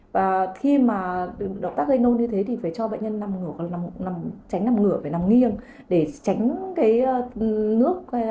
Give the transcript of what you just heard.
và khi mà động tác gây nôn như thế thì phải cho bệnh nhân nằm ngửa tránh nằm ngửa phải nằm nghiêng để tránh cái nước nó sọc vào đường thở